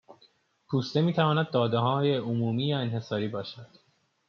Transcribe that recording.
پوسته میتواند داده عمومی یا انحصاری باشد